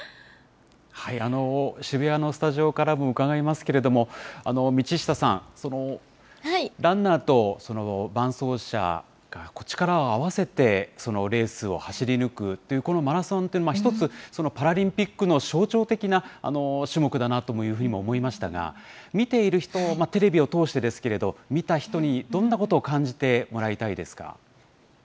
渋谷のスタジオからも伺いますけれども、道下さん、ランナーと伴走者が力を合わせてレースを走り抜くというこのマラソンという、一つ、パラリンピックの象徴的な種目だなというふうにも思いましたが、見ている人、テレビを通してですけど、見た人にどんなことを感じてもらいたいですか？